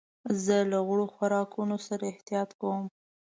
زه له غوړو خوراکونو سره احتياط کوم.